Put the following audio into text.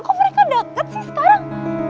kok mereka deket sih sekarang